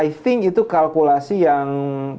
i think itu kalkulasi yang